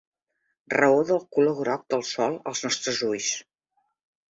Raó del color groc del Sol als nostres ulls.